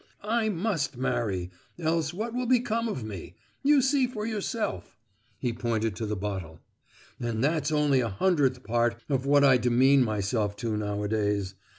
"I must marry, else what will become of me? You see for yourself" (he pointed to the bottle), "and that's only a hundredth part of what I demean myself to nowadays.